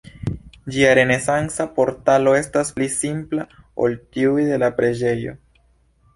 Ĝia renesanca portalo estas pli simpla ol tiuj de la preĝejo.